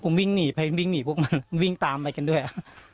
ผมวิ่งหนีไปวิ่งหนีพวกมันวิ่งตามไปกันด้วย